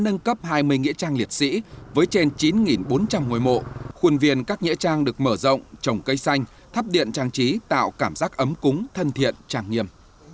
nghĩa trang liệt sĩ với trên chín bốn trăm linh ngôi mộ khuôn viên các nghĩa trang được mở rộng trồng cây xanh thắp điện trang trí tạo cảm giác ấm cúng thân thiện trang nghiêm